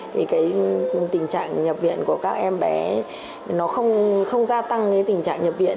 tình trạng nhập viện của các em bé nó không gia tăng tình trạng nhập viện